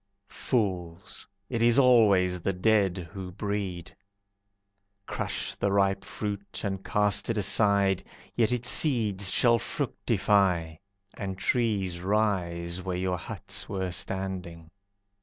Fools! It is always the dead who breed. Crush the ripe fruit, and cast it aside, Yet its seeds shall fructify, And trees rise where your huts were standing.